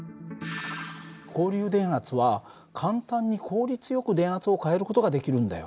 交流電圧は簡単に効率よく電圧を変える事ができるんだよ。